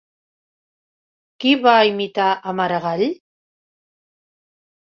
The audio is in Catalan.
Qui va imitar a Maragall?